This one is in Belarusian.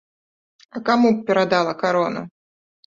А каму б перадала карону?